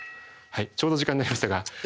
ちょうど時間になりましたが。